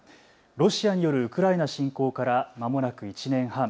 ロシアによるウクライナ侵攻からまもなく１年半。